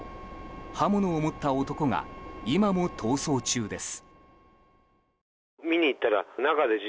刃物を持った男が今も逃走中です。